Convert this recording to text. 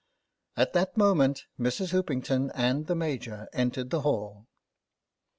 At that moment Mrs. Hoopington and the Major entered the hall.